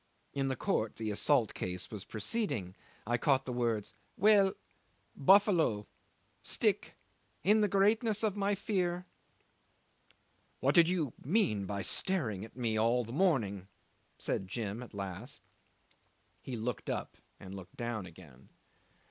In the court the assault case was proceeding. I caught the words: "Well buffalo stick in the greatness of my fear. ..." '"What did you mean by staring at me all the morning?" said Jim at last. He looked up and looked down again.